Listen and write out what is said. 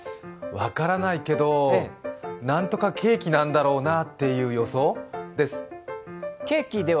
分からないけど、なんとかケーキなんだろうなという予想です。